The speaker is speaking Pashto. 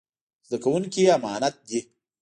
زده کوونکي يې امانت دي.